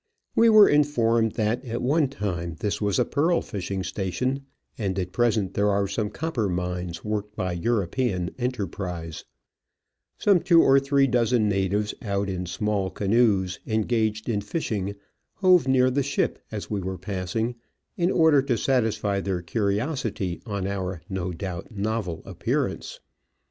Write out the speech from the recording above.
We were informed that at one time this was a pearl fishing station, and at present there are some cop[>er mines worked by Digitized by VjOOQ IC 22 Travels and Adventures European enterprise. Some two or three dozen natives, out in small canoes, engaged in fishing, hove near the ship as we were passing, in order to satisfy their curiosity on our no doubt novel appearance.